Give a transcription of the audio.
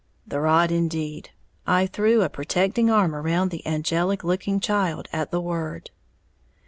The rod indeed, I threw a protecting arm around the angelic looking child at the word.